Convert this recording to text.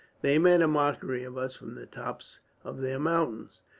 They made a mockery of us from the tops of their mountains.